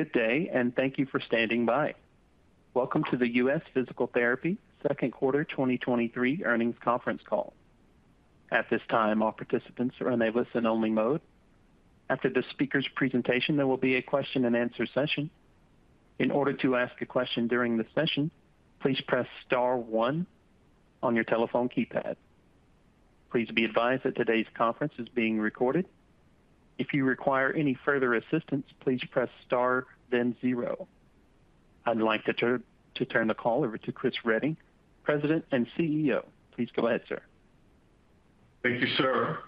Good day, thank you for standing by. Welcome to the U.S. Physical Therapy second quarter 2023 earnings conference call. At this time, all participants are in a listen-only mode. After the speaker's presentation, there will be a question-and-answer session. In order to ask a question during the session, please press star one on your telephone keypad. Please be advised that today's conference is being recorded. If you require any further assistance, please press star, then zero. I'd like to turn the call over to Chris Reading, President and CEO. Please go ahead, sir. Thank you, sir.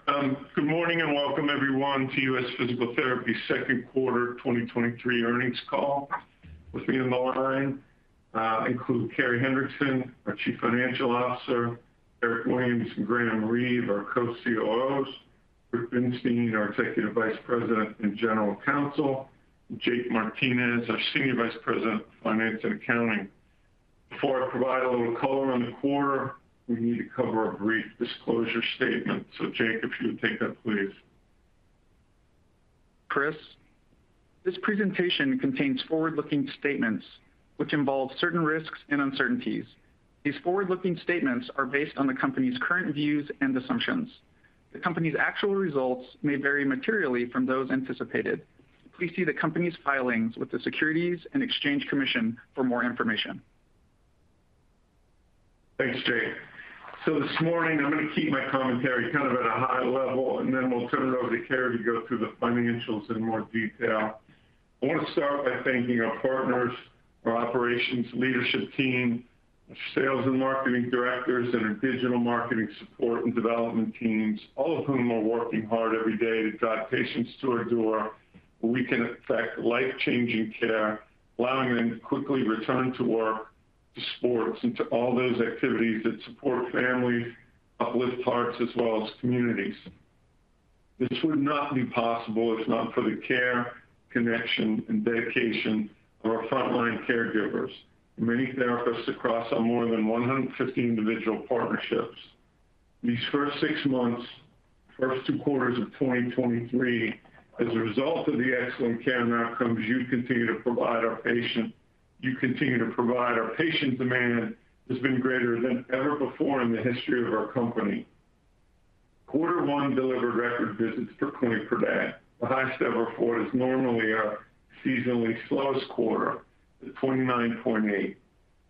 Good morning, and welcome everyone to U.S. Physical Therapy second quarter 2023 earnings call. With me on the line, include Carey Hendrickson, our Chief Financial Officer, Eric Williams and Graham Reeve, our Co-COOs, Ruth Bernstein, our Executive Vice President and General Counsel, and Jake Martinez, our Senior Vice President of Finance and Accounting. Before I provide a little color on the quarter, we need to cover a brief disclosure statement. Jake, if you would take that, please. Chris, this presentation contains forward-looking statements which involve certain risks and uncertainties. These forward-looking statements are based on the company's current views and assumptions. The company's actual results may vary materially from those anticipated. Please see the company's filings with the Securities and Exchange Commission for more information. Thanks, Jake. This morning, I'm gonna keep my commentary kind of at a high level, and then we'll turn it over to Carey to go through the financials in more detail. I wanna start by thanking our partners, our operations leadership team, our sales and marketing directors, and our digital marketing support and development teams, all of whom are working hard every day to drive patients to our door, where we can affect life-changing care, allowing them to quickly return to work, to sports, and to all those activities that support families, uplift hearts, as well as communities. This would not be possible if not for the care, connection, and dedication of our frontline caregivers, many therapists across our more than 150 individual partnerships. These first six months, first two quarters of 2023, as a result of the excellent care and outcomes you continue to provide You continue to provide our patients' demand has been greater than ever before in the history of our company. Quarter 1 delivered record visits per clinic per day, the highest ever for what is normally our seasonally slowest quarter at 29.8.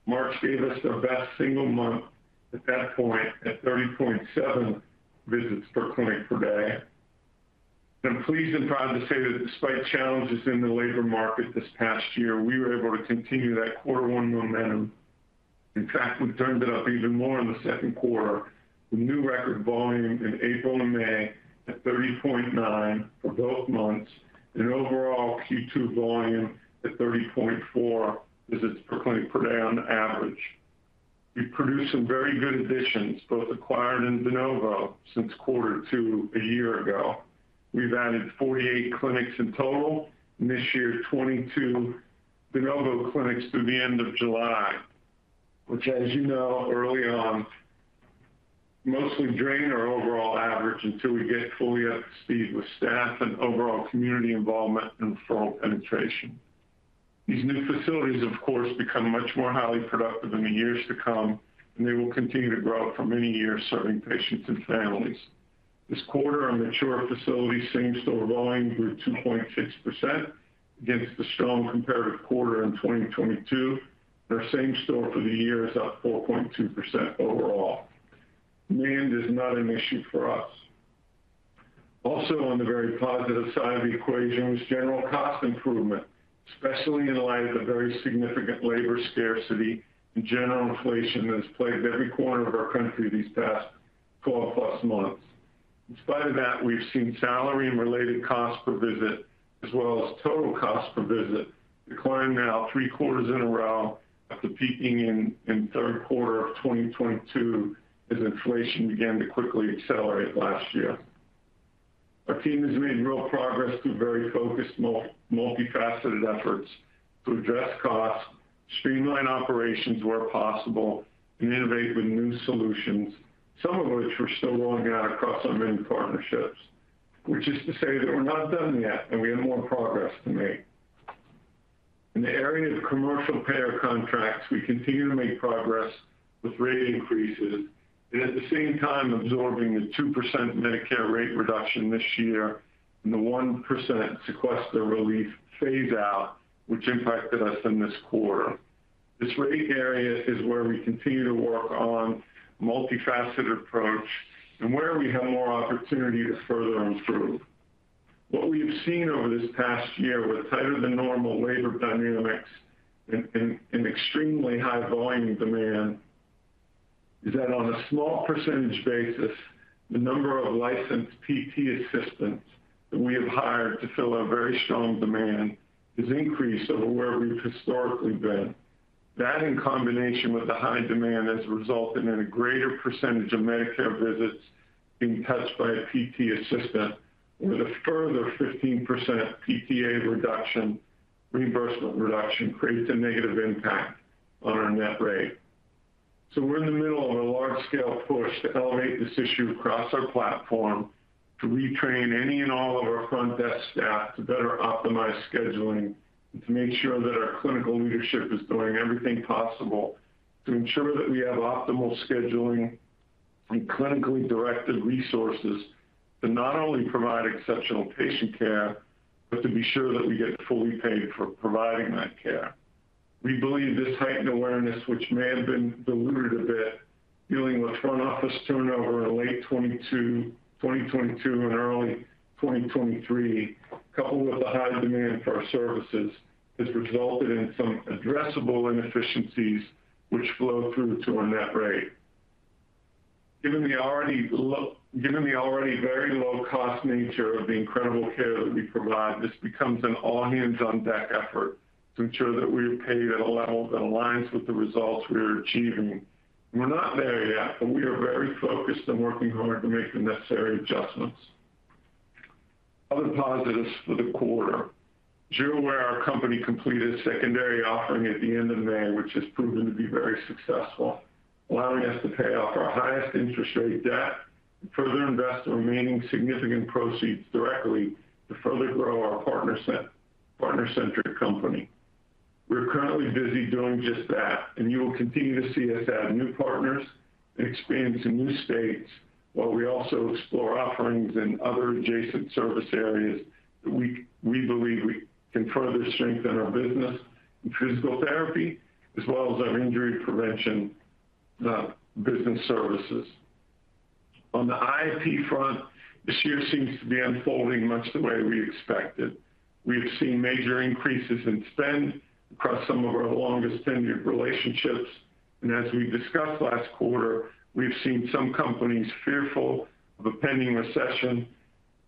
March gave us our best single month at that point, at 30.7 visits per clinic per day. I'm pleased and proud to say that despite challenges in the labor market this past year, we were able to continue that quarter 1 momentum. In fact, we've turned it up even more in the second quarter, with new record volume in April and May at 30.9 for both months, and an overall Q2 volume at 30.4 visits per clinic per day on average. We've produced some very good additions, both acquired and de novo, since quarter two a year ago. We've added 48 clinics in total, and this year, 22 de novo clinics through the end of July, which, as you know, early on, mostly drain our overall average until we get fully up to speed with staff and overall community involvement and referral penetration. These new facilities, of course, become much more highly productive in the years to come, and they will continue to grow for many years, serving patients and families. This quarter, our mature facility same-store volume grew 2.6% against the strong comparative quarter in 2022. Our same-store for the year is up 4.2% overall. Demand is not an issue for us. Also on the very positive side of the equation was general cost improvement, especially in light of the very significant labor scarcity and general inflation that has plagued every corner of our country these past 4+ months. In spite of that, we've seen salary and related costs per visit, as well as total costs per visit, decline now 3 quarters in a row after peaking in third quarter of 2022, as inflation began to quickly accelerate last year. Our team has made real progress through very focused multifaceted efforts to address costs, streamline operations where possible, and innovate with new solutions, some of which we're still rolling out across our many partnerships. Which is to say that we're not done yet, and we have more progress to make. In the area of commercial payer contracts, we continue to make progress with rate increases and at the same time absorbing the 2% Medicare rate reduction this year, and the 1% sequester relief phase out, which impacted us in this quarter. This rate area is where we continue to work on multifaceted approach and where we have more opportunity to further improve. What we've seen over this past year, with tighter than normal labor dynamics and extremely high volume demand, is that on a small percentage basis, the number of licensed PT assistants that we have hired to fill our very strong demand has increased over where we've historically been. That, in combination with the high demand, has resulted in a greater percentage of Medicare visits being touched by a PT assistant, with a further 15% PTA reduction, reimbursement reduction, creates a negative impact on our net rate. We're in the middle of a large-scale push to elevate this issue across our platform, to retrain any and all of our front desk staff to better optimize scheduling, and to make sure that our clinical leadership is doing everything possible to ensure that we have optimal scheduling and clinically directed resources to not only provide exceptional patient care, but to be sure that we get fully paid for providing that care. We believe this heightened awareness, which may have been diluted a bit, dealing with front office turnover in late 2022, 2022 and early 2023, coupled with the high demand for our services, has resulted in some addressable inefficiencies which flow through to our net rate. Given the already very low-cost nature of the incredible care that we provide, this becomes an all-hands-on-deck effort to ensure that we are paid at a level that aligns with the results we are achieving. We're not there yet. We are very focused on working hard to make the necessary adjustments. Other positives for the quarter. You're aware our company completed a secondary offering at the end of May, which has proven to be very successful, allowing us to pay off our highest interest rate debt and further invest the remaining significant proceeds directly to further grow our partner-centric company. We're currently busy doing just that, you will continue to see us add new partners and expand to new states, while we also explore offerings in other adjacent service areas that we believe we can further strengthen our business in physical therapy, as well as our injury prevention business services. On the IP front, this year seems to be unfolding much the way we expected. We have seen major increases in spend across some of our longest tenured relationships, as we discussed last quarter, we've seen some companies fearful of a pending recession,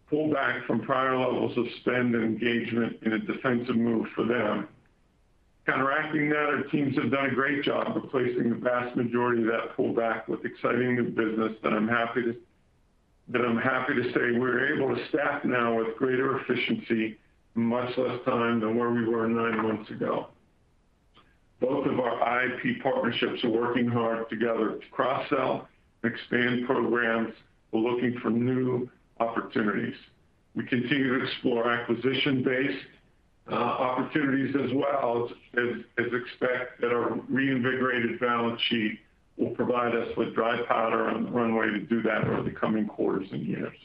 pull back from prior levels of spend and engagement in a defensive move for them. Counteracting that, our teams have done a great job of replacing the vast majority of that pullback with exciting new business that I'm happy to, that I'm happy to say we're able to staff now with greater efficiency in much less time than where we were nine months ago. Both of our IP partnerships are working hard together to cross-sell and expand programs, while looking for new opportunities. We continue to explore acquisition-based opportunities as well, as expect that our reinvigorated balance sheet will provide us with dry powder on the runway to do that over the coming quarters and years.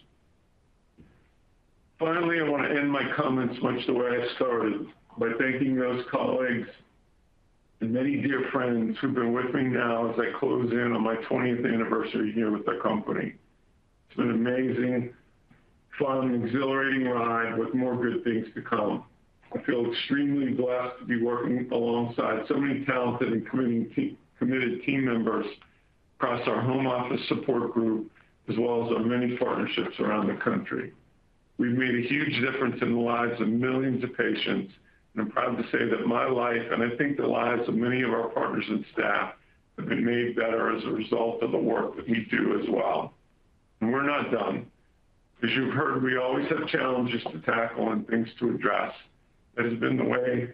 Finally, I want to end my comments much the way I started, by thanking those colleagues and many dear friends who've been with me now as I close in on my 20th anniversary here with the company. It's been an amazing, fun, and exhilarating ride with more good things to come. I feel extremely blessed to be working alongside so many talented and committed team, committed team members across our home office support group, as well as our many partnerships around the country. We've made a huge difference in the lives of millions of patients, and I'm proud to say that my life, and I think the lives of many of our partners and staff, have been made better as a result of the work that we do as well. We're not done. As you've heard, we always have challenges to tackle and things to address. That has been the way...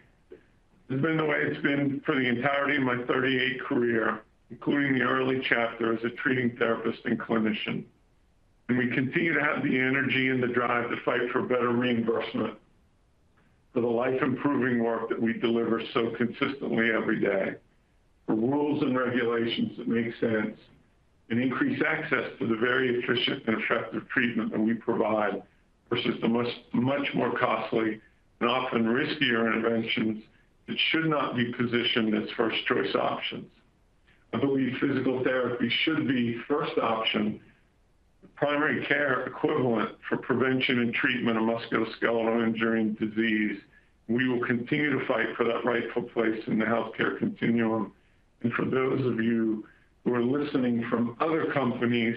It's been the way it's been for the entirety of my 38 career, including the early chapter as a treating therapist and clinician. We continue to have the energy and the drive to fight for better reimbursement for the life-improving work that we deliver so consistently every day, for rules and regulations that make sense, and increase access to the very efficient and effective treatment that we provide, versus the much, much more costly and often riskier interventions that should not be positioned as first choice options. I believe physical therapy should be first option, primary care equivalent for prevention and treatment of musculoskeletal injury and disease. We will continue to fight for that rightful place in the healthcare continuum. For those of you who are listening from other companies,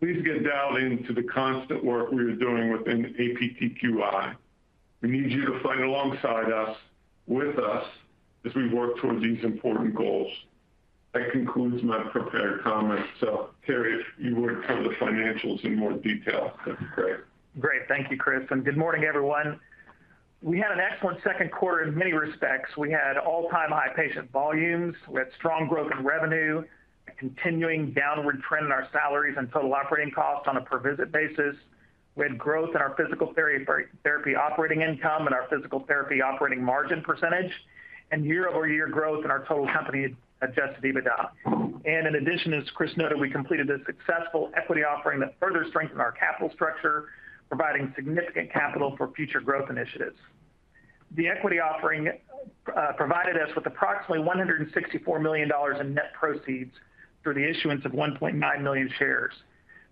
please get dialed into the constant work we are doing within APTQI. We need you to fight alongside us, with us, as we work towards these important goals. That concludes my prepared comments. Carey, if you were to cover the financials in more detail, that'd be great. Great. Thank you, Chris, good morning, everyone. We had an excellent second quarter in many respects. We had all-time high patient volumes. We had strong growth in revenue, a continuing downward trend in our salaries and total operating costs on a per visit basis. We had growth in our physical therapy, therapy operating income and our physical therapy operating margin percentage, and year-over-year growth in our total company adjusted EBITDA. In addition, as Chris noted, we completed a successful equity offering that further strengthened our capital structure, providing significant capital for future growth initiatives. The equity offering provided us with approximately $164 million in net proceeds through the issuance of 1.9 million shares.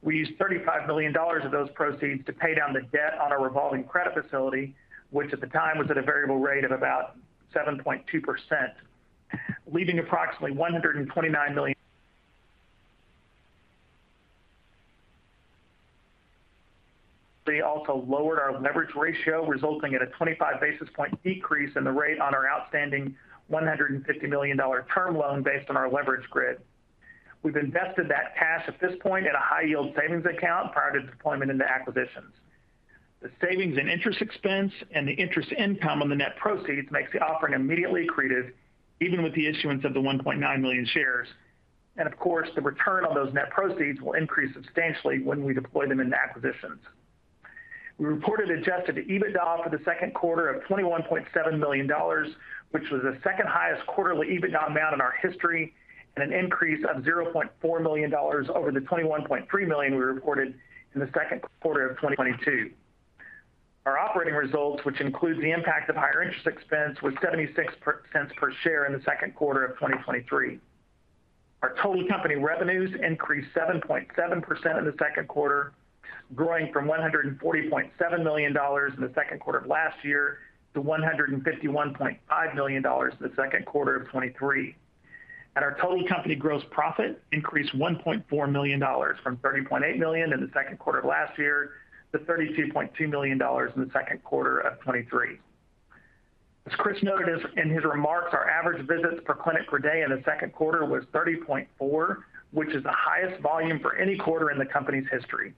We used $35 million of those proceeds to pay down the debt on our revolving credit facility, which at the time was at a variable rate of about 7.2%, leaving approximately $129 million. We also lowered our leverage ratio, resulting in a 25 basis point decrease in the rate on our outstanding $150 million term loan based on our leverage grid. We've invested that cash at this point in a high-yield savings account prior to deployment into acquisitions. Of course, the return on those net proceeds will increase substantially when we deploy them in the acquisitions. We reported adjusted EBITDA for the second quarter of $21.7 million, which was the second highest quarterly EBITDA amount in our history, and an increase of $0.4 million over the $21.3 million we reported in the second quarter of 2022. Our operating results, which includes the impact of higher interest expense, was $0.76 per share in the second quarter of 2023. Our total company revenues increased 7.7% in the second quarter, growing from $140.7 million in the second quarter of last year to $151.5 million in the second quarter of 2023. Our total company gross profit increased $1.4 million from $30.8 million in the second quarter of last year to $32.2 million in the second quarter of 2023. As Chris noted in his remarks, our average visits per clinic per day in the second quarter was 30.4, which is the highest volume for any quarter in the company's history.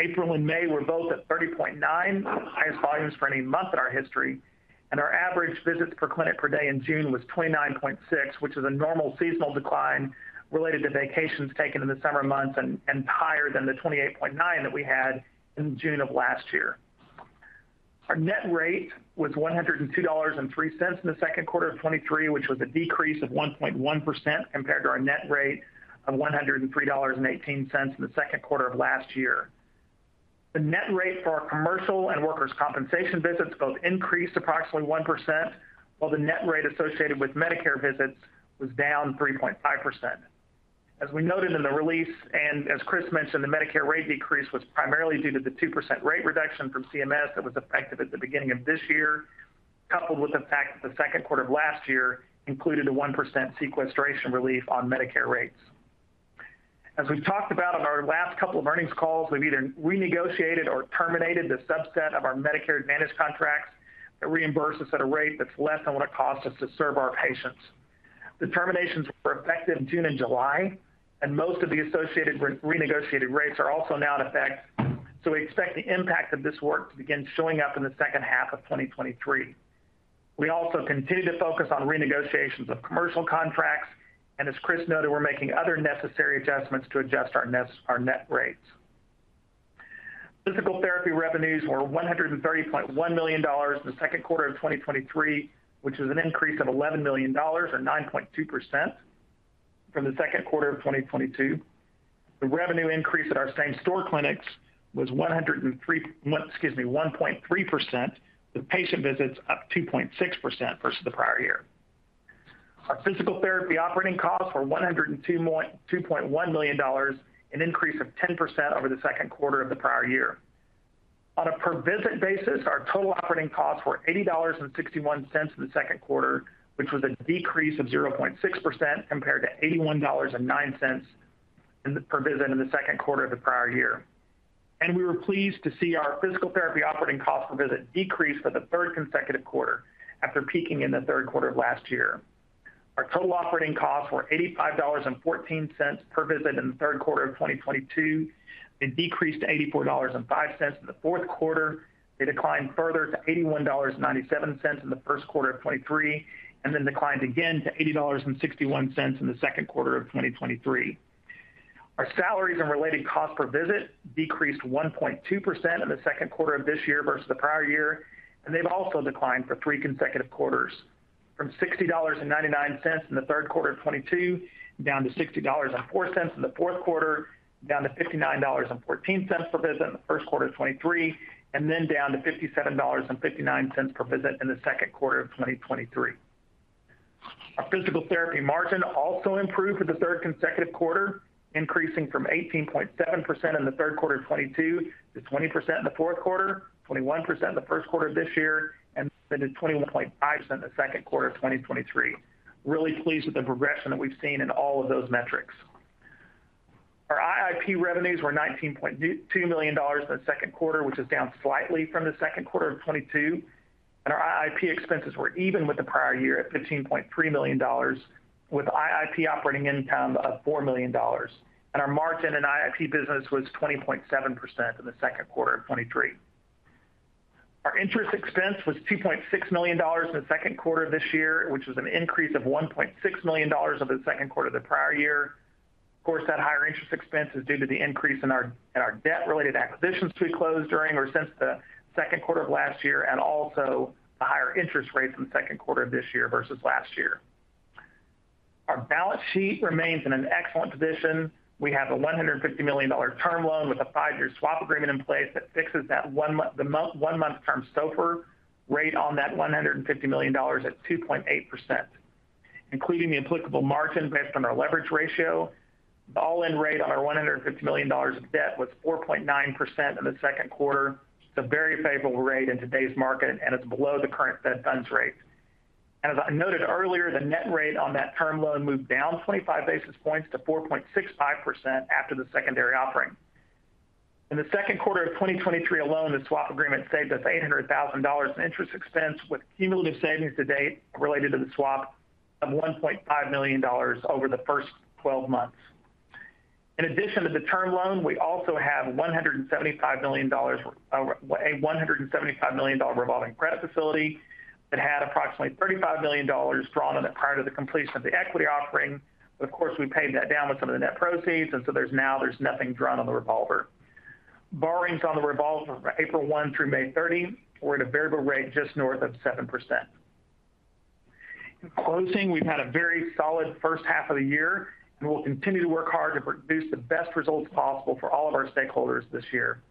April and May were both at 30.9, the highest volumes for any month in our history, and our average visits per clinic per day in June was 29.6, which is a normal seasonal decline related to vacations taken in the summer months and higher than the 28.9 that we had in June of last year. Our net rate was $102.03 in the second quarter of 2023, which was a decrease of 1.1% compared to our net rate of $103.18 in the second quarter of last year. The net rate for our commercial and workers' compensation visits both increased approximately 1%, while the net rate associated with Medicare visits was down 3.5%. As we noted in the release, as Chris mentioned, the Medicare rate decrease was primarily due to the 2% rate reduction from CMS that was effective at the beginning of this year, coupled with the fact that the second quarter of last year included a 1% sequestration relief on Medicare rates. As we've talked about on our last couple of earnings calls, we've either renegotiated or terminated the subset of our Medicare Advantage contracts that reimburse us at a rate that's less than what it costs us to serve our patients. The terminations were effective in June and July, and most of the associated renegotiated rates are also now in effect, so we expect the impact of this work to begin showing up in the second half of 2023. We also continue to focus on renegotiations of commercial contracts, and as Chris noted, we're making other necessary adjustments to adjust our net rates. Physical therapy revenues were $130.1 million in the second quarter of 2023, which is an increase of $11 million or 9.2% from the second quarter of 2022. The revenue increase at our same-store clinics was excuse me, 1.3%, with patient visits up 2.6% versus the prior year. Our physical therapy operating costs were $102.1 million, an increase of 10% over the second quarter of the prior year. On a per visit basis, our total operating costs were $80.61 in the second quarter, which was a decrease of 0.6% compared to $81.09 per visit in the second quarter of the prior year. We were pleased to see our physical therapy operating cost per visit decrease for the third consecutive quarter after peaking in the third quarter of last year. Our total operating costs were $85.14 per visit in the third quarter of 2022. It decreased to $84.05 in the fourth quarter. It declined further to $81.97 in the first quarter of 2023. Then declined again to $80.61 in the second quarter of 2023. Our salaries and related costs per visit decreased 1.2% in the second quarter of this year versus the prior year. They've also declined for three consecutive quarters, from $60.99 in the third quarter of 2022, down to $60.04 in the fourth quarter, down to $59.14 per visit in the first quarter of 2023, and then down to $57.59 per visit in the second quarter of 2023. Our physical therapy margin also improved for the third consecutive quarter, increasing from 18.7% in the 3Q 2022, to 20% in the 4Q, 21% in the 1Q of this year, and then to 21.5% in the 2Q 2023. Really pleased with the progression that we've seen in all of those metrics. Our IIP revenues were $19.2 million in the 2Q, which is down slightly from the 2Q 2022, IIP expenses were even with the prior year at $15.3 million, with IIP operating income of $4 million. Our margin in IIP business was 20.7% in the 2Q 2023. Our interest expense was $2.6 million in the second quarter of this year, which was an increase of $1.6 million over the second quarter of the prior year. Of course, that higher interest expense is due to the increase in our debt-related acquisitions we closed during or since the second quarter of last year, and also the higher interest rates in the second quarter of this year versus last year. Our balance sheet remains in an excellent position. We have a $150 million term loan with a five-year swap agreement in place that fixes that one-month term SOFR rate on that $150 million at 2.8%. Including the applicable margin based on our leverage ratio, the all-in rate on our $150 million of debt was 4.9% in the second quarter. It's a very favorable rate in today's market, and it's below the current Fed funds rate. As I noted earlier, the net rate on that term loan moved down 25 basis points to 4.65% after the secondary offering. In the second quarter of 2023 alone, the swap agreement saved us $800,000 in interest expense, with cumulative savings to date related to the swap of $1.5 million over the first 12 months. In addition to the term loan, we also have $175 million, a $175 million revolving credit facility that had approximately $35 million drawn on it prior to the completion of the equity offering. Of course, we paid that down with some of the net proceeds, so there's now there's nothing drawn on the revolver. Borrowings on the revolver from April 1 through May 30 were at a variable rate just north of 7%. In closing, we've had a very solid first half of the year, we'll continue to work hard to produce the best results possible for all of our stakeholders this year.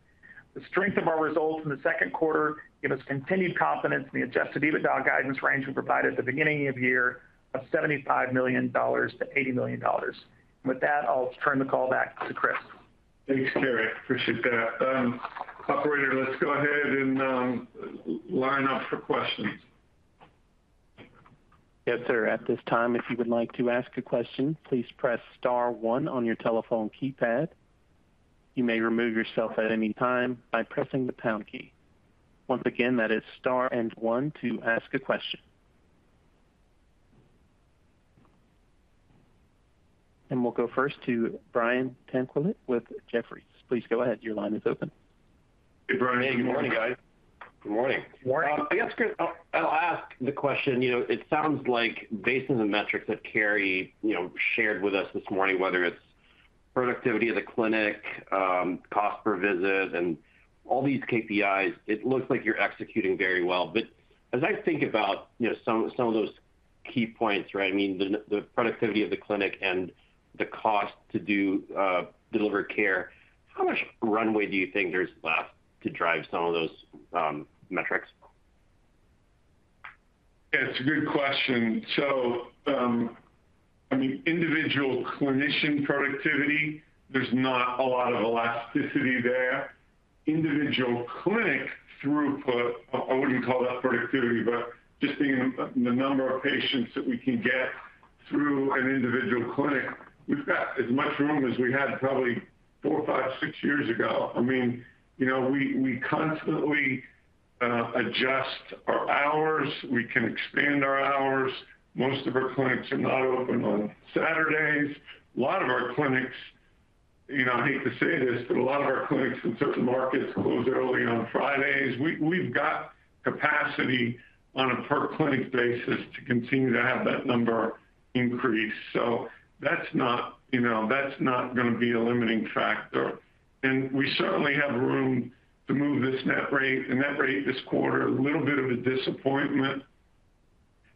The strength of our results in the second quarter give us continued confidence in the adjusted EBITDA guidance range we provided at the beginning of the year of $75 million-$80 million. With that, I'll turn the call back to Chris. Thanks, Carey. Appreciate that. Operator, let's go ahead and line up for questions. Yes, sir. At this time, if you would like to ask a question, please press star 1 on your telephone keypad. You may remove yourself at any time by pressing the pound key. Once again, that is star and 1 to ask a question. We'll go first to Brian Tanquilut with Jefferies. Please go ahead. Your line is open. Hey, Brian. Good morning, guys. Good morning. Good morning. I guess, Chris, I'll, I'll ask the question. You know, it sounds like based on the metrics that Carey, you know, shared with us this morning, whether it's productivity of the clinic, cost per visit, and all these KPIs, it looks like you're executing very well. As I think about, you know, some, some of those key points, right? I mean, the, the productivity of the clinic and the cost to do deliver care, how much runway do you think there's left to drive some of those metrics? Yeah, it's a good question. I mean, individual clinician productivity, there's not a lot of elasticity there. Individual clinic throughput, I, I wouldn't call that productivity, but just being the number of patients that we can get through an individual clinic, we've got as much room as we had probably four, five, six years ago. I mean, you know, we, we constantly adjust our hours. We can expand our hours. Most of our clinics are not open on Saturdays. A lot of our clinics, you know, I hate to say this, but a lot of our clinics in certain markets close early on Fridays. We've got capacity on a per clinic basis to continue to have that number increase. That's not, you know, that's not gonna be a limiting factor. We certainly have room to move this net rate. The net rate this quarter, a little bit of a disappointment,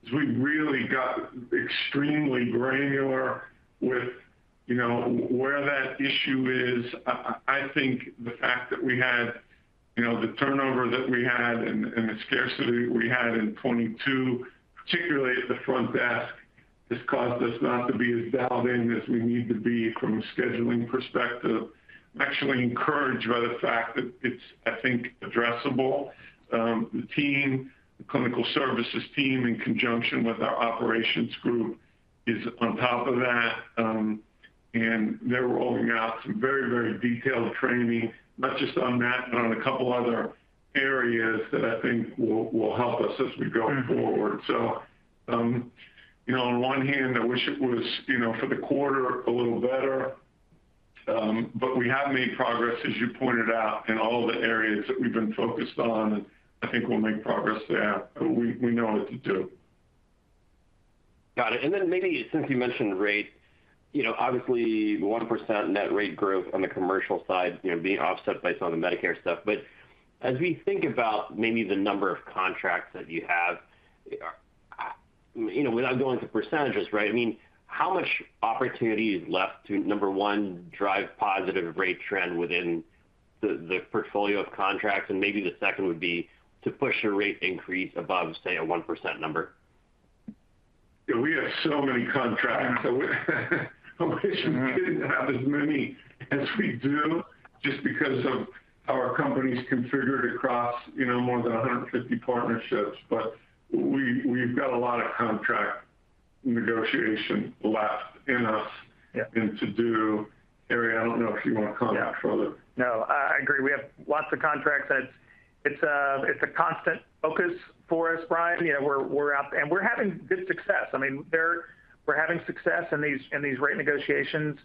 is we really got extremely granular with, you know, where that issue is. I think the fact that we had, you know, the turnover that we had and, and the scarcity we had in 2022, particularly at the front desk, has caused us not to be as dialed in as we need to be from a scheduling perspective. I'm actually encouraged by the fact that it's, I think, addressable. The team, the clinical services team, in conjunction with our operations group, is on top of that, and they're rolling out some very, very detailed training, not just on that, but on a couple other areas that I think will, will help us as we go forward. You know, on one hand, I wish it was, you know, for the quarter, a little better, but we have made progress, as you pointed out, in all the areas that we've been focused on, and I think we'll make progress there, but we, we know what to do. Got it. Then maybe since you mentioned rate, you know, obviously, 1% net rate growth on the commercial side, you know, being offset by some of the Medicare stuff. As we think about maybe the number of contracts that you have, you know, without going to perentages, right? I mean, how much opportunity is left to, number one, drive positive rate trend within the, the portfolio of contracts, and maybe the second would be to push a rate increase above, say, a 1% number? Yeah, we have so many contracts. I wish we didn't have as many as we do, just because of how our company's configured across, you know, more than 150 partnerships. we've got a lot of contract negotiation left in us... Yeah... and to do. Carey, I don't know if you wanna comment further. No, I, I agree. We have lots of contracts. It's a, it's a constant focus for us, Brian. You know, we're, we're out, and we're having good success. I mean, we're having success in these, in these rate negotiations.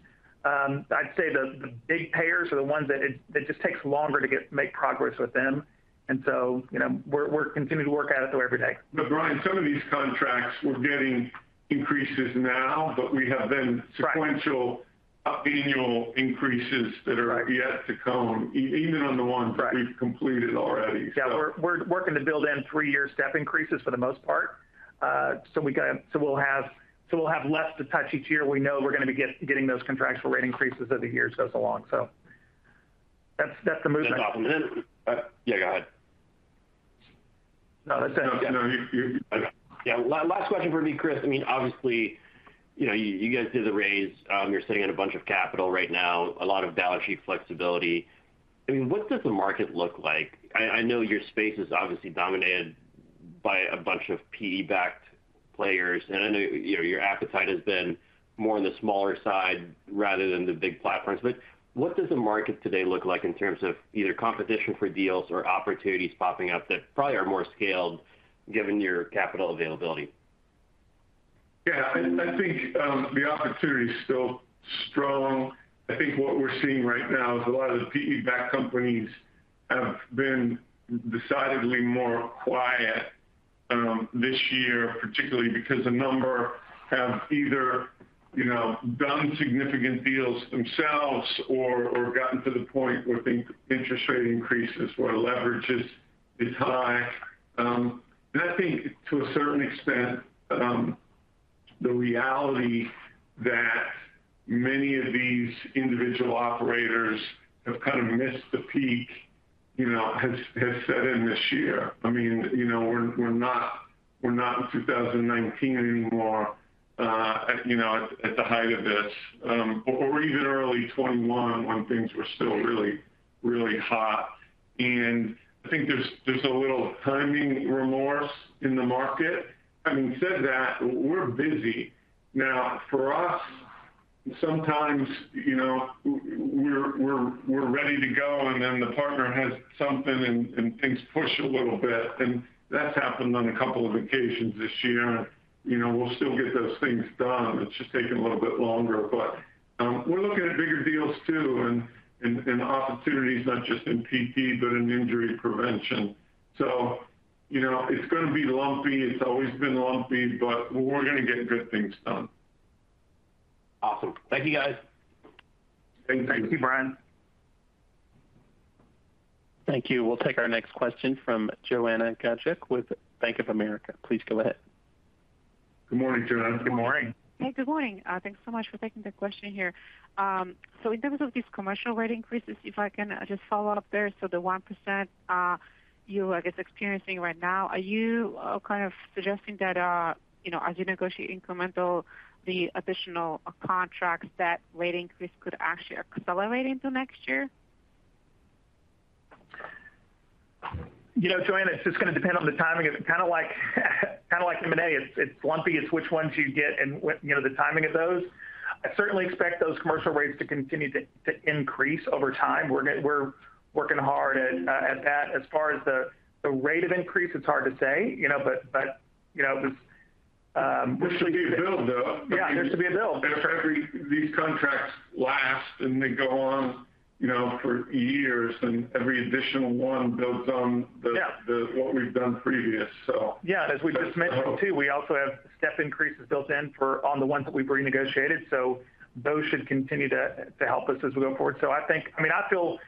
I'd say the, the big payers are the ones that it, it just takes longer to get, make progress with them, and so, you know, we're, we're continuing to work at it, though, every day. Brian, some of these contracts, we're getting increases now, but we have then- Right... sequential annual increases that are- Right... yet to come, even on the ones- Right we've completed already. Yeah, we're, we're working to build in three-year step increases for the most part. So we'll have, so we'll have less to touch each year. We know we're gonna be getting those contractual rate increases as the year goes along. So that's, that's the movement. That's awesome.... Yeah, go ahead. No, that's it. No, you. Yeah. Last question for me, Chris. I mean, obviously, you know, you guys did the raise. You're sitting on a bunch of capital right now, a lot of balance sheet flexibility. I mean, what does the market look like? I, I know your space is obviously dominated by a bunch of PE-backed players, and I know, you know, your appetite has been more on the smaller side rather than the big platforms. What does the market today look like in terms of either competition for deals or opportunities popping up that probably are more scaled given your capital availability? Yeah, I, I think the opportunity is still strong. I think what we're seeing right now is a lot of the PE-backed companies have been decidedly more quiet this year, particularly because a number have either, you know, done significant deals themselves or, or gotten to the point where the interest rate increases or leverage is, is high. I think to a certain extent, the reality that many of these individual operators have kind of missed the peak, you know, has, has set in this year. I mean, you know, we're, we're not, we're not in 2019 anymore, at, you know, at, at the height of this, or, or even early 2021, when things were still really, really hot. I think there's, there's a little timing remorse in the market. Having said that, we're busy. For us, sometimes, you know, we're ready to go, and then the partner has something, and things push a little bit, and that's happened on a couple of occasions this year. You know, we'll still get those things done. It's just taking a little bit longer. We're looking at bigger deals, too, and opportunities not just in PE, but in injury prevention. You know, it's gonna be lumpy. It's always been lumpy, but we're gonna get good things done. Awesome. Thank you, guys. Thank you, Brian. Thank you. We'll take our next question from Joanna Gajuk with Bank of America. Please go ahead. Good morning, Joanna. Good morning. Hey, good morning. Thanks so much for taking the question here. In terms of these commercial rate increases, if I can just follow up there, so the 1%, you, I guess, experiencing right now, are you kind of suggesting that, you know, as you negotiate incremental, the additional contracts, that rate increase could actually accelerate into next year? You know, Joanna, it's just gonna depend on the timing. It's kind of like, kind of like M&A. It's, it's lumpy. It's which ones you get and what, you know, the timing of those. I certainly expect those commercial rates to continue to, to increase over time. We're working hard at that. As far as the, the rate of increase, it's hard to say, you know, but, but, you know, this. There should be a build, though. Yeah, there should be a build. These contracts last, and they go on, you know, for years, and every additional one builds on. Yeah the, what we've done previous, so. Yeah, as we just mentioned, too, we also have step increases built in for on the ones that we've renegotiated, so those should continue to, to help us as we go forward. I think. I mean, I feel,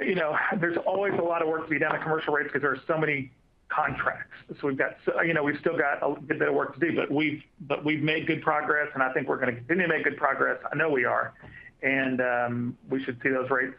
you know, there's always a lot of work to be done on commercial rates because there are so many contracts. We've got, you know, we've still got a good bit of work to do, but we've, but we've made good progress, and I think we're gonna continue to make good progress. I know we are. We should see those rates,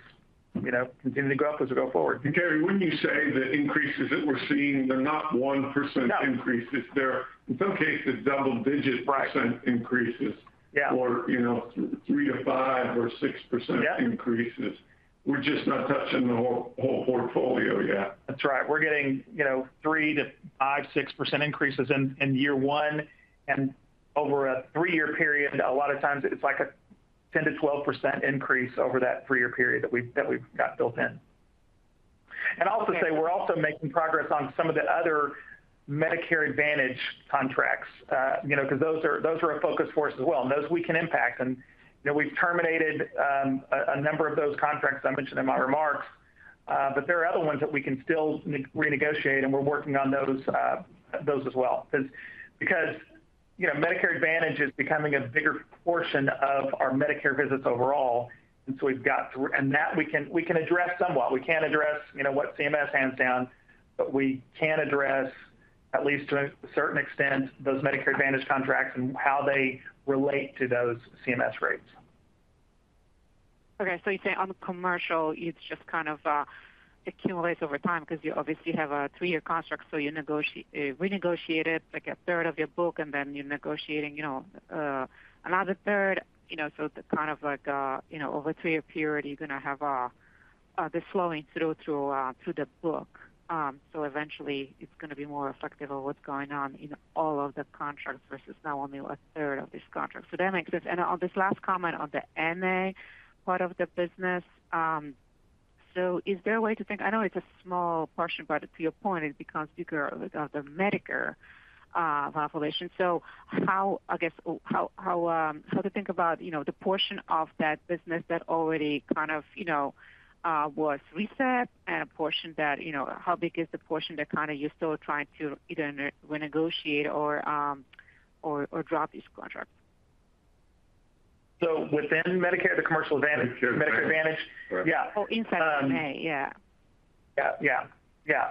you know, continue to go up as we go forward. Gary, wouldn't you say the increases that we're seeing, they're not 1% increases? No. They're, in some cases, double-digit- Right % increases. Yeah. you know, 3% to 5% or 6%. Yeah increases. We're just not touching the whole, whole portfolio yet. That's right. We're getting, you know, 3%-5%, 6% increases in, in year one, and over a 3-year period, a lot of times it's like a 10%-12% increase over that 3-year period that we've, that we've got built in. I'll also say, we're also making progress on some of the other Medicare Advantage contracts, you know, because those are, those are a focus for us as well, and those we can impact. You know, we've terminated, a number of those contracts I mentioned in my remarks, there are other ones that we can still renegotiate, and we're working on those, those as well. Because, because, you know, Medicare Advantage is becoming a bigger portion of our Medicare visits overall, and so we've got to... That we can, we can address somewhat. We can't address, you know, what CMS hands down, but we can address, at least to a certain extent, those Medicare Advantage contracts and how they relate to those CMS rates. You say on the commercial, it's just kind of, accumulates over time because you obviously have a 3-year contract, so you renegotiate it, like 1/3 of your book, and then you're negotiating, you know, another 1/3. You know, so kind of like a, you know, over a 3-year period, you're gonna have, this flowing through, through, through the book. Eventually, it's gonna be more effective of what's going on in all of the contracts versus now only 1/3 of this contract. That makes sense. On this last comment on the MA part of the business, is there a way to think... I know it's a small portion, but to your point, it becomes bigger with the Medicare population. how, I guess, how, how, how to think about, you know, the portion of that business that already kind of, you know, was reset and a portion that, you know, how big is the portion that kind of you're still trying to either renegotiate or, or, or drop these contracts? within Medicare, the commercial advantage- Medicare Advantage.... Medicare Advantage? Yeah. Oh, inside MA, yeah. Yeah. Yeah, yeah.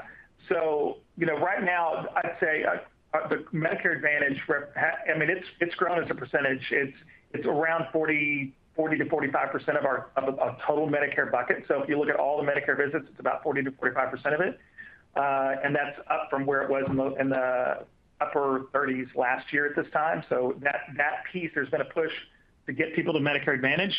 You know, right now, I'd say, the Medicare Advantage rep-- I mean, it's, it's grown as a percentage. It's, it's around 40, 40%-45% of our, of our total Medicare bucket. If you look at all the Medicare visits, it's about 40%-45% of it. And that's up from where it was in the, in the upper 30s last year at this time. That, that piece, there's been a push to get people to Medicare Advantage.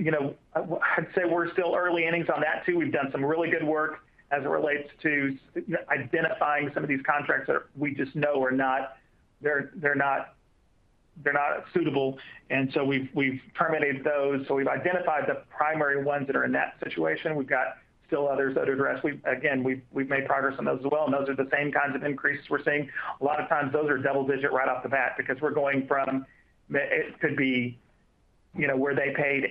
You know, I'd say we're still early innings on that too. We've done some really good work as it relates to i- identifying some of these contracts that we just know are not, they're, they're not-... they're not suitable, and so we've, we've terminated those. We've identified the primary ones that are in that situation. We've got still others that address. We've again, we've, we've made progress on those as well, and those are the same kinds of increases we're seeing. A lot of times those are double digit right off the bat, because we're going from the, it could be, you know, where they paid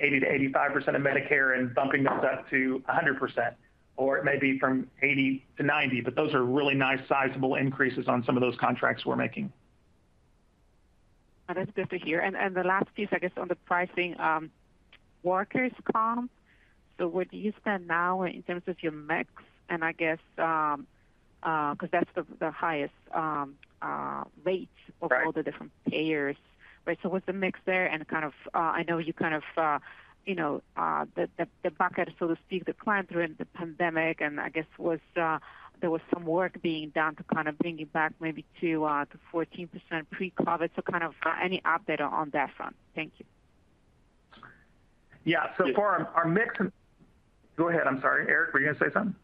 80%-85% of Medicare and bumping those up to 100%, or it may be from 80%-90%. Those are really nice, sizable increases on some of those contracts we're making. That's good to hear. The last piece, I guess, on the pricing, workers' comp. What do you spend now in terms of your mix? I guess, because that's the, the highest, rate... Right of all the different payers, right? What's the mix there? Kind of, I know you kind of, you know, the, the, the bucket, so to speak, declined during the pandemic, and I guess was, there was some work being done to kind of bring it back maybe to 14% pre-COVID. Kind of, any update on that front? Thank you. Yeah. So far, our mix-- Go ahead. I'm sorry, Eric, were you going to say something?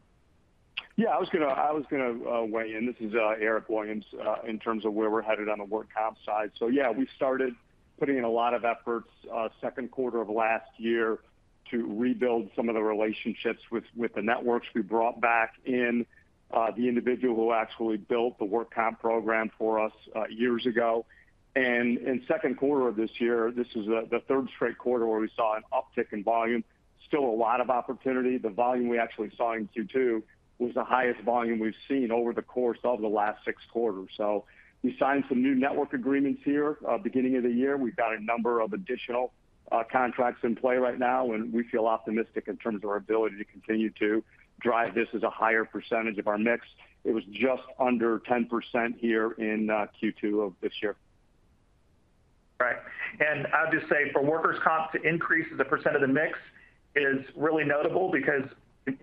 Yeah, I was gonna, I was gonna weigh in, this is Eric Williams, in terms of where we're headed on the workers' comp side. Yeah, we started putting in a lot of efforts, 2nd quarter of last year to rebuild some of the relationships with, with the networks. We brought back in the individual who actually built the workers' comp program for us years ago. In 2nd quarter of this year, this is the 3rd straight quarter where we saw an uptick in volume. Still a lot of opportunity. The volume we actually saw in Q2 was the highest volume we've seen over the course of the last 6 quarters. We signed some new network agreements here, beginning of the year. We've got a number of additional, contracts in play right now, and we feel optimistic in terms of our ability to continue to drive this as a higher percentage of our mix. It was just under 10% here in, Q2 of this year. Right. I'll just say, for workers' comp to increase as a percent of the mix is really notable because,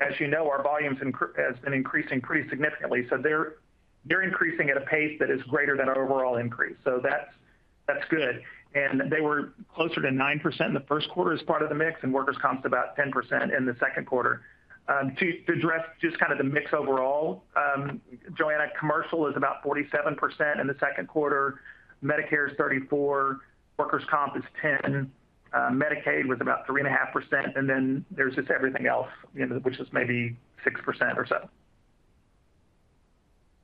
as you know, our volumes incr-- has been increasing pretty significantly. They're, they're increasing at a pace that is greater than our overall increase. That's, that's good. They were closer to 9% in the first quarter as part of the mix, and workers' comp is about 10% in the second quarter. To, to address just kind of the mix overall, Joanna Gajuk, commercial is about 47% in the second quarter, Medicare is 34%, workers' comp is 10%, Medicaid was about 3.5%, and then there's just everything else, you know, which is maybe 6% or so.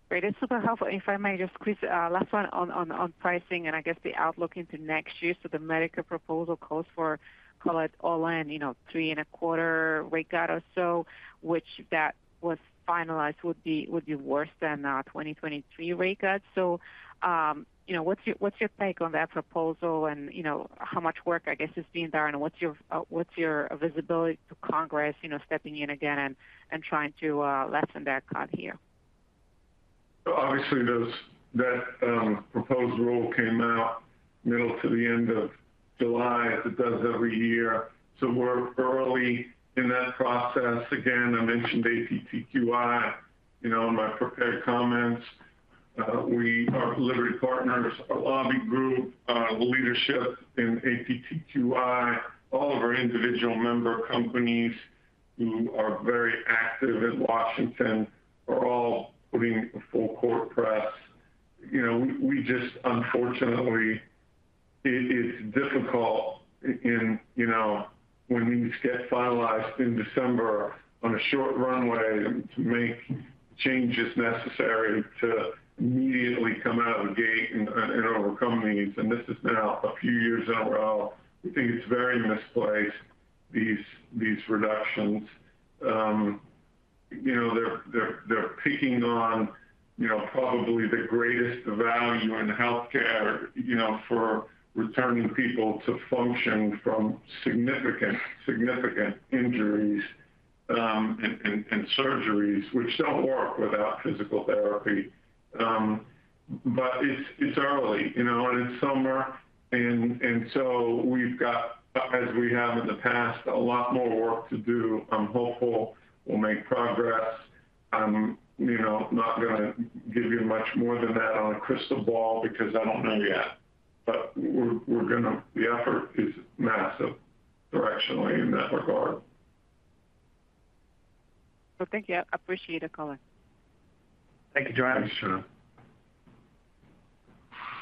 Great. It's super helpful. If I may just squeeze, last one on, on, on pricing and I guess the outlook into next year. The Medicare proposal calls for, call it all in, you know, 3.25% rate cut or so, which if that was finalized, would be, would be worse than, 2023 rate cuts. What's your, what's your take on that proposal, and, you know, how much work, I guess, is being done, and what's your, what's your visibility to Congress, you know, stepping in again and, and trying to, lessen that cut here? Obviously, those- that, proposed rule came out middle to the end of July, as it does every year. We're early in that process. Again, I mentioned APTQI, you know, in my prepared comments. We, our Liberty Partners, our lobby group, the leadership in APTQI, all of our individual member companies who are very active in Washington, are all putting a full court press. You know, we just... unfortunately, it is difficult in, you know, when these get finalized in December on a short runway, to make changes necessary to immediately come out of the gate and overcome these. This is now a few years in a row. We think it's very misplaced, these, these reductions. you know, they're, they're, they're picking on, you know, probably the greatest value in healthcare, you know, for returning people to function from significant, significant injuries, and, and, and surgeries, which don't work without physical therapy. It's, it's early, you know, and it's summer, and, and so we've got, as we have in the past, a lot more work to do. I'm hopeful we'll make progress. I'm, you know, not gonna give you much more than that on a crystal ball because I don't know yet. The effort is massive directionally in that regard. Well, thank you. I appreciate the call. Thank you, Joanna. Sure.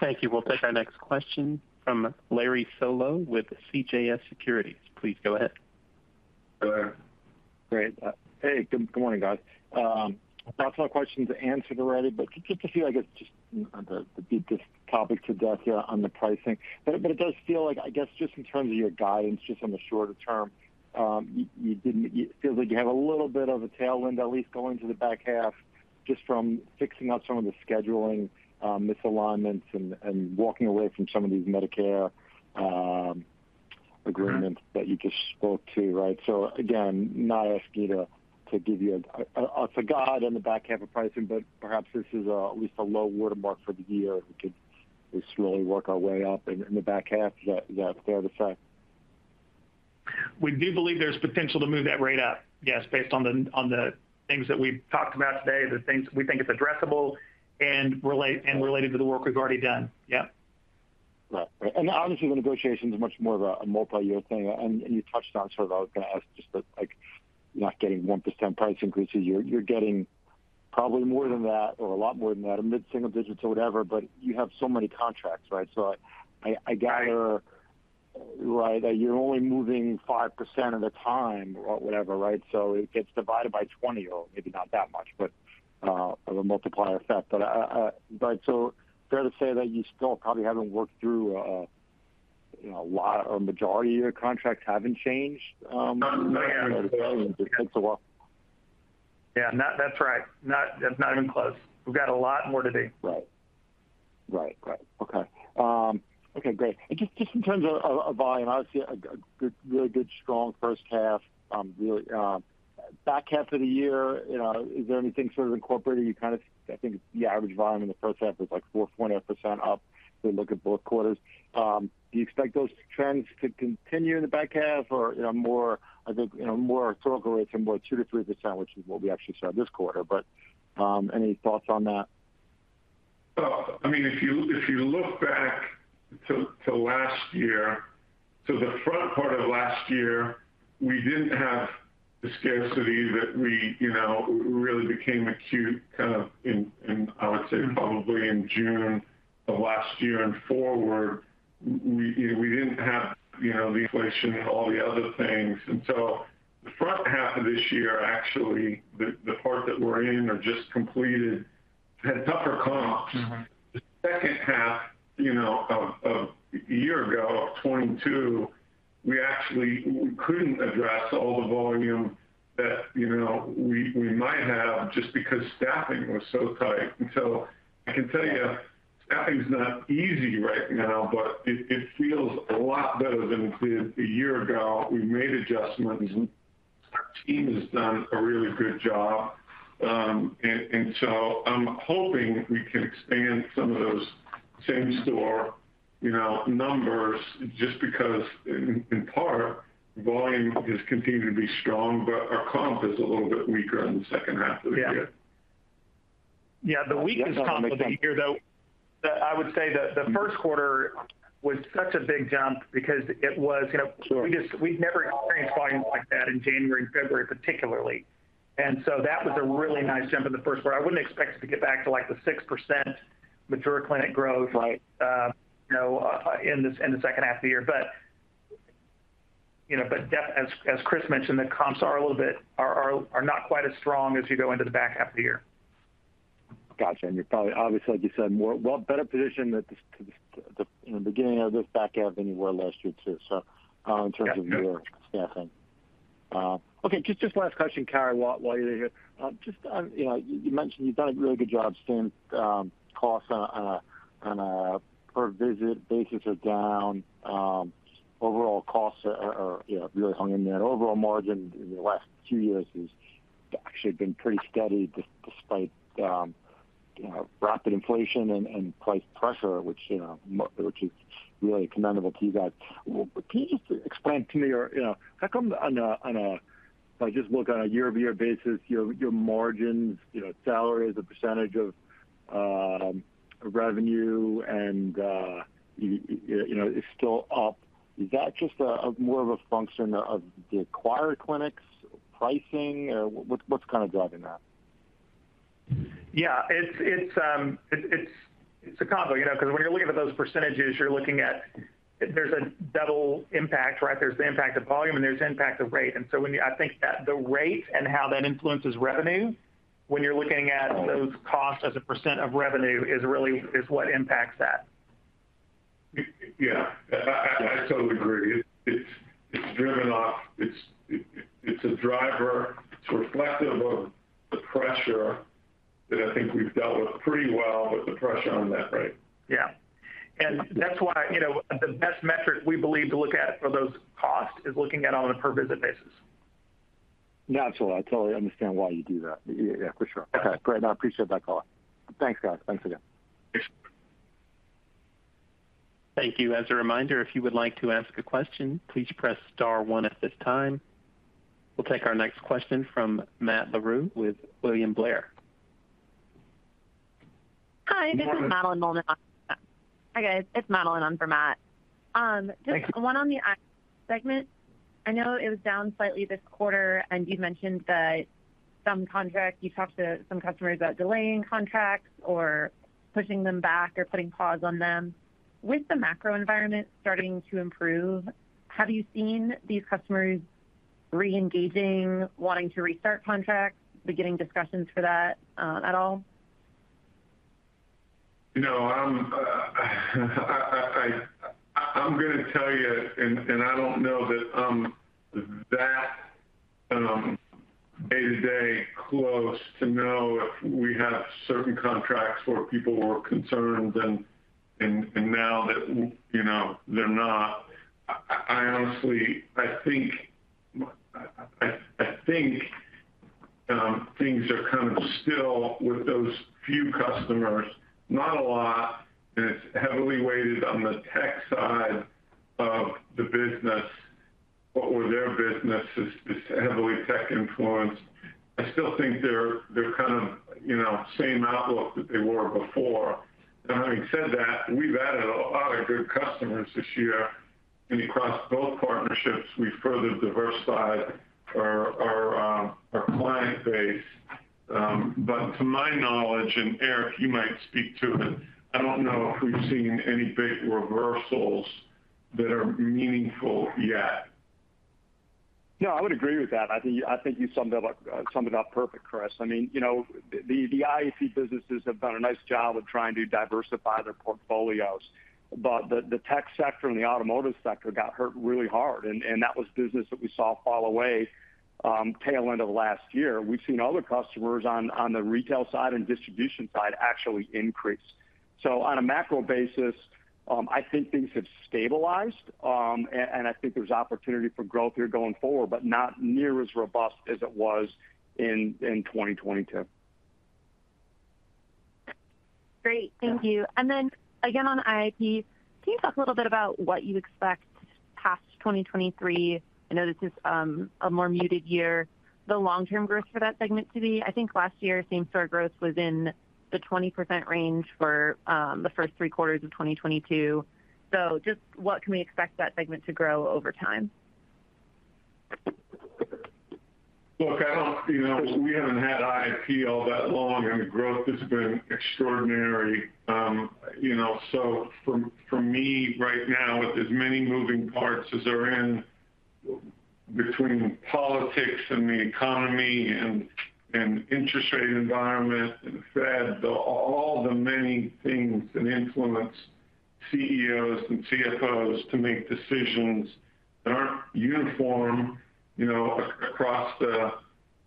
Thank you. We'll take the next question from Larry Solow with CJS Securities. Please go ahead. Go ahead. Great. Hey, good morning, guys. A lot of my questions are answered already, but just to see, I guess, just to beat this topic to death here on the pricing. It does feel like, I guess, just in terms of your guidance, just on the shorter term, you feel like you have a little bit of a tailwind, at least going to the back half, just from fixing up some of the scheduling, misalignments and, and walking away from some of these Medicare, agreements. Mm-hmm... that you just spoke to, right? Again, not asking you to give you forgot on the back half of pricing, but perhaps this is at least a low watermark for the year. We could just slowly work our way up in the back half. Is that fair to say? We do believe there's potential to move that rate up. Yes, based on the, on the things that we've talked about today, the things we think is addressable and relate, and related to the work we've already done. Yeah. Right. Right. Obviously, the negotiation is much more of a, a multi-year thing. You touched on sort of, I was going to ask just that, like, not getting 1% price increases, you're getting- Probably more than that, or a lot more than that, mid-single digits or whatever, but you have so many contracts, right? I, I gather, right, that you're only moving 5% at a time or whatever, right? It gets divided by 20 or maybe not that much, but, the multiplier effect. But so fair to say that you still probably haven't worked through, you know, a lot or majority of your contracts haven't changed. Yeah. on. Yeah, that, that's right. Not, not even close. We've got a lot more to do. Right. Right, right. Okay. Okay, great. Just, just in terms of, of, of volume, obviously, a, a good-- really good, strong first half. Really, back half of the year, you know, is there anything sort of incorporated? You kind of-- I think the average volume in the first half is, like, 4.8% up if we look at both quarters. Do you expect those trends to continue in the back half or, you know, more, I think, you know, more historical rates and more 2%-3%, which is what we actually saw this quarter, but any thoughts on that? I mean, if you, if you look back to, to last year, to the front part of last year, we didn't have the scarcity that we, you know, really became acute kind of in, in, I would say, probably in June of last year and forward. We, you know, we didn't have, you know, the inflation and all the other things. So the front half of this year, actually, the, the part that we're in or just completed, had tougher comps. Mm-hmm. The second half, you know, of, of a year ago, of 2022, we actually we couldn't address all the volume that, you know, we, we might have just because staffing was so tight. So I can tell you, staffing's not easy right now, but it, it feels a lot better than it did a year ago. We've made adjustments, our team has done a really good job. I'm hoping we can expand some of those same-store, you know, numbers just because in, in part, volume has continued to be strong, our comp is a little bit weaker in the second half of the year. Yeah. Yeah, the weakest comp will be here, though. I would say the, the first quarter was such a big jump because it was, you know... Sure. We've never experienced volume like that in January and February, particularly. That was a really nice jump in the first quarter. I wouldn't expect it to get back to, like, the 6% mature clinic growth... Right... you know, in the, in the second half of the year. You know, as Chris mentioned, the comps are a little bit are not quite as strong as you go into the back half of the year. Gotcha. You're probably, obviously, like you said, more-- well, better positioned at the, to the, the, you know, beginning of this back half than you were last year, too. In terms of your staffing. Okay, just, just last question, Carey, while, while you're here. Just, you know, you mentioned you've done a really good job staying, costs on a, on a per visit basis are down. Overall costs are, are, you know, really hung in there. Overall margin in the last two years has actually been pretty steady, des- despite, you know, rapid inflation and, and price pressure, which, you know, mo- which is really commendable to you guys. Well, can you just explain to me or, you know, how come on a, on a... If I just look on a year-over-year basis, your, your margins, you know, salaries, the percentage of revenue and, you, you know, is still up. Is that just a more of a function of the acquired clinics' pricing, or what's, what's kind of driving that? Yeah, it's, it's, it's, it's a combo, you know, because when you're looking at those percentages, you're looking at... There's a double impact, right? There's the impact of volume, and there's the impact of rate. I think that the rate and how that influences revenue when you're looking at those costs as a % of revenue is really, is what impacts that. Yeah. I, I, I totally agree. It's, it's driven off... It's, it, it's a driver. It's reflective of the pressure that I think we've dealt with pretty well, but the pressure on that, right? Yeah. That's why, you know, the best metric we believe to look at for those costs is looking at it on a per visit basis. Naturally, I totally understand why you do that. Yeah, for sure. Okay, great. I appreciate that call. Thanks, guys. Thanks again. Thanks. Thank you. As a reminder, if you would like to ask a question, please press star one at this time. We'll take our next question from Matt Larew with William Blair. Hi, this is Madeline Mulvihill. Hi, guys, it's Madeline on for Matt. Just 1 on the segment. I know it was down slightly this quarter, and you mentioned that some contracts, you talked to some customers about delaying contracts or pushing them back or putting pause on them. With the macro environment starting to improve, have you seen these customers reengaging, wanting to restart contracts, beginning discussions for that, at all? You know, I'm, I, I, I'm gonna tell you, and, and I don't know that I'm that, day-to-day close to know if we have certain contracts where people were concerned and, and, and now that, you know, they're not. I, I, honestly, I think, I, I, I think, things are kind of still with those few customers, not a lot, and it's heavily weighted on the tech side of the business or their business is, is heavily tech-influenced. I still think they're, they're kind of, you know, same outlook that they were before. Now, having said that, we've added a lot of good customers this year. Across both partnerships, we've further diversified our, our, our client base. To my knowledge, and Eric, you might speak to it, I don't know if we've seen any big reversals that are meaningful yet. No, I would agree with that. I think, I think you summed it up, summed it up perfect, Chris. I mean, you know, the, the IIP businesses have done a nice job of trying to diversify their portfolios, but the, the tech sector and the automotive sector got hurt really hard, and, and that was business that we saw fall away, tail end of last year. We've seen other customers on, on the retail side and distribution side actually increase. On a macro basis, I think things have stabilized. And, and I think there's opportunity for growth here going forward, but not near as robust as it was in, in 2022. Great, thank you. Then again, on IIP, can you talk a little bit about what you expect past 2023? I know this is a more muted year. The long-term growth for that segment to be... I think last year, same-store growth was in the 20% range for the first three quarters of 2022. Just what can we expect that segment to grow over time? Look, I don't you know, we haven't had IIP all that long, and the growth has been extraordinary. You know, so for me, right now, with as many moving parts as are in between politics and the economy and, and interest rate environment and the Fed, the all the many things that influence CEOs and CFOs to make decisions that aren't uniform, you know, across the,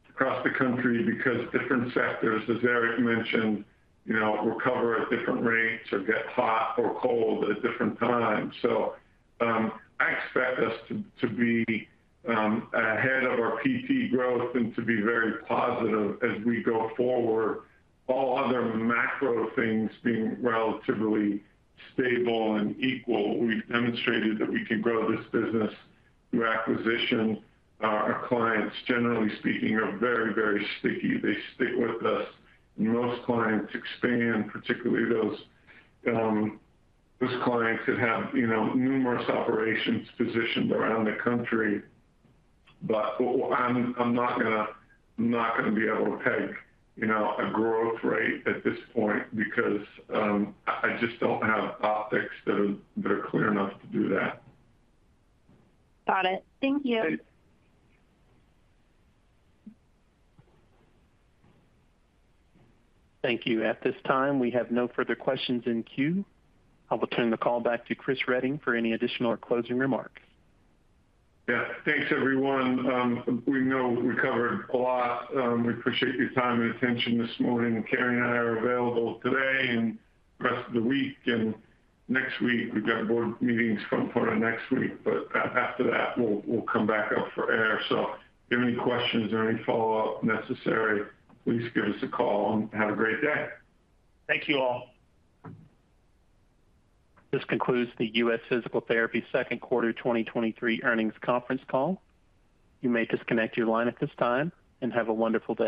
across the country, because different sectors, as Eric mentioned, you know, recover at different rates or get hot or cold at different times. I expect us to be ahead of our PT growth and to be very positive as we go forward. All other macro things being relatively stable and equal, we've demonstrated that we can grow this business through acquisition. Our clients, generally speaking, are very, very sticky. They stick with us. Most clients expand, particularly those, those clients that have, you know, numerous operations positioned around the country. I'm, I'm not gonna, I'm not gonna be able to peg, you know, a growth rate at this point because I just don't have optics that are, that are clear enough to do that. Got it. Thank you. Okay. Thank you. At this time, we have no further questions in queue. I will turn the call back to Chris Reading for any additional or closing remarks. Yeah. Thanks, everyone. We know we covered a lot. We appreciate your time and attention this morning. Karen and I are available today and the rest of the week, and next week. We've got board meetings front loaded next week, but after that, we'll, we'll come back up for air. If you have any questions or any follow-up necessary, please give us a call, and have a great day. Thank you all. This concludes the U.S. Physical Therapy second quarter 2023 earnings conference call. You may disconnect your line at this time. Have a wonderful day.